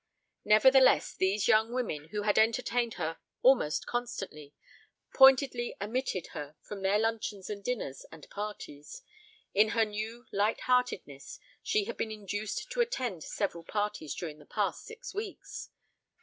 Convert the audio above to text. Nevertheless, these young women, who had entertained her almost constantly, pointedly omitted her from their luncheons and dinners and parties in her new lightheartedness she had been induced to attend several parties during the past six weeks.